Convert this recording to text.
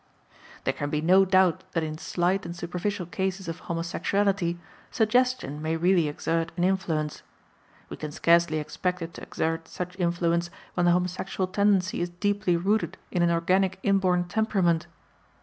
There can be no doubt that in slight and superficial cases of homosexuality, suggestion may really exert an influence. We can scarcely expect it to exert such influence when the homosexual tendency is deeply rooted in an organic inborn temperament.